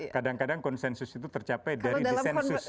kadang kadang konsensus itu tercapai dari desensus